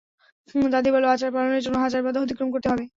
দাদী বললো, আচার পালনের জন্য হাজার বাধা অতিক্রম করতে হবে।